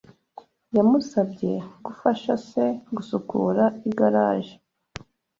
Yamusabye gufasha se gusukura igaraje,